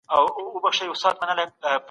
په ټولنه کي به د یو رښتیني خادم په توګه اوسئ.